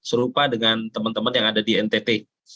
serupa dengan teman teman yang ada di ntt